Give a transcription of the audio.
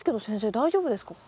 大丈夫ですか？